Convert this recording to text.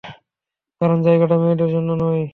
কারণ জায়গাটা মেয়েদের জন্য নয়।